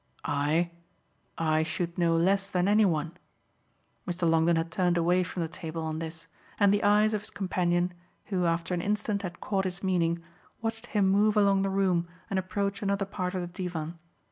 "I? I should know less than any one." Mr. Longdon had turned away from the table on this, and the eyes of his companion, who after an instant had caught his meaning, watched him move along the room and approach another part of the divan.